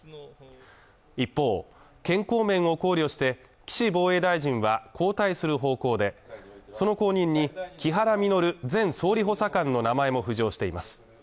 一方健康面を考慮して岸防衛大臣は交代する方向でその後任に木原稔前総理補佐官の名前も浮上しています